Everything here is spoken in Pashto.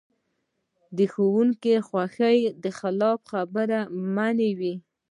د ښوونکي د خوښې خلاف خبرې منع وې.